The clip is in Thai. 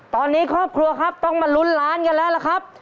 ตอนนี้ครอบครัวครับต้องมาลุ้นล้านกันแล้วล่ะครับ